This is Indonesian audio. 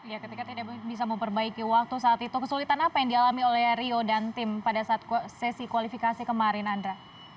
ya ketika tidak bisa memperbaiki waktu saat itu kesulitan apa yang dialami oleh rio dan tim pada saat sesi kualifikasi kemarin andra